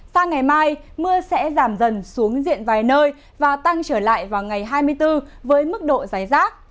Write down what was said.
sang ngày mai mưa sẽ giảm dần xuống diện vài nơi và tăng trở lại vào ngày hai mươi bốn với mức độ giải rác